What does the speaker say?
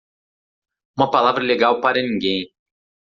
Uma palavra legal para ninguém.